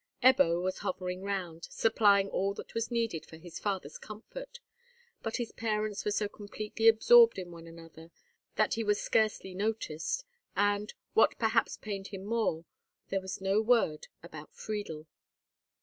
Ebbo was hovering round, supplying all that was needed for his father's comfort; but his parents were so completely absorbed in one another that he was scarcely noticed, and, what perhaps pained him more, there was no word about Friedel.